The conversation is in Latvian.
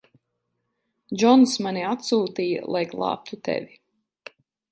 Džons mani atsūtīja, lai glābtu tevi.